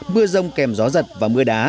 mưa rông kèm gió giật và mưa đá